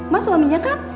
mas suaminya kan